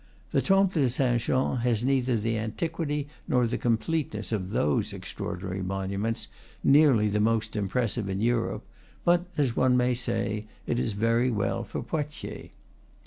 The Temple de Saint Jean has neither the antiquity nor the completeness of those extraordinary monuments, nearly the most impressive in Europe; but, as one may say, it is very well for Poitiers.